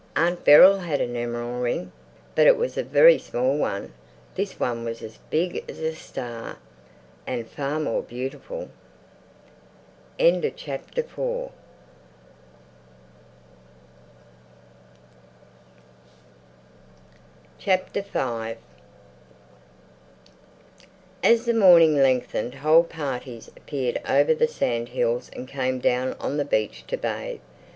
Aunt Beryl had a nemeral in a ring, but it was a very small one. This one was as big as a star and far more beautiful. V As the morning lengthened whole parties appeared over the sand hills and came down on the beach to bathe.